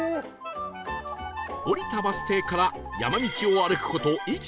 降りたバス停から山道を歩く事 １．７ キロ